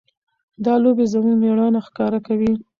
دا لوبې زموږ مېړانه ښکاره کوي.